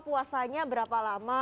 puasanya berapa lama